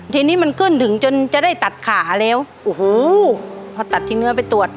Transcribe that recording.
ทีนี้มันขึ้นถึงจนจะได้ตัดขาแล้วโอ้โหพอตัดทิ้งเนื้อไปตรวจ